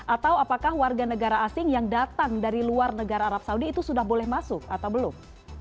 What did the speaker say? atau apakah warga negara asing yang datang dari luar negara arab saudi itu sudah boleh masuk atau belum